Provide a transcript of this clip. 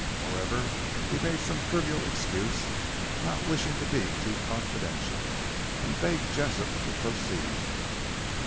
However, he made some trivial excuse, not wishing to be too confidential, and begged Jessop to proceed.